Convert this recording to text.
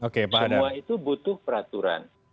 semua itu butuh peraturan